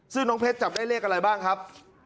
ซึ่งน้องเพชรจับได้เลขอะไรบ้างครับ